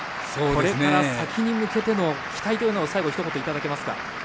これから先に向けての期待というのを最後ひと言いただけますか。